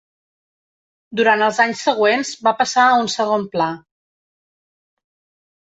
Durant els anys següents va passar a un segon pla.